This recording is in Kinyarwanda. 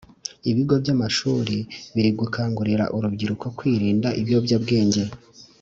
ibigo by'amashuri biri gukangurira urubyiruko kwirinda ibiyobyabwenge.